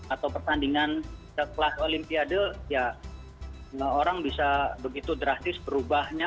atau pertandingan sekelas olimpiade ya orang bisa begitu drastis berubahnya